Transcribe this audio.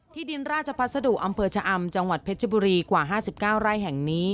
ดินราชภัสดุอำเภอชะอำจังหวัดเพชรบุรีกว่า๕๙ไร่แห่งนี้